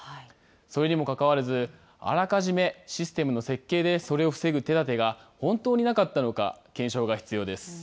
それにもかかわらず、あらかじめシステムの設計でそれを防ぐ手だてが本当になかったのか、検証が必要です。